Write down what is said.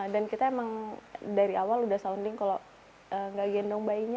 dan kita memang dari awal sudah sounding kalau tidak gendong bayinya